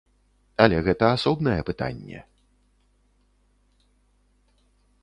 Але гэта асобнае пытанне.